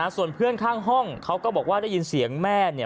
ส่วนเพื่อนข้างห้องเขาก็บอกว่าได้ยินเสียงแม่เนี่ย